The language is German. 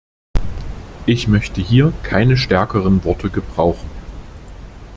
Ich möchte hier keine stärkeren Worte gebrauchen.